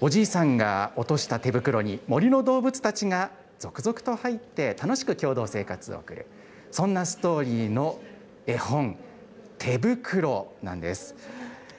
おじいさんが落とした手袋に森の動物たちが続々と入って、楽しく共同生活を送る、そんなストーリーの絵本、てぶくろなんです。